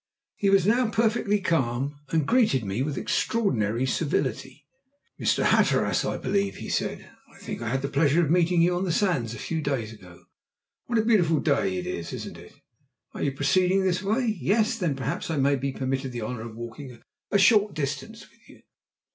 He was now perfectly calm and greeted me with extraordinary civility. "Mr. Hatteras, I believe," he said. "I think I had the pleasure of meeting you on the sands a few days ago. What a beautiful day it is, isn't it? Are you proceeding this way? Yes? Then perhaps I may be permitted the honour of walking a short distance with you."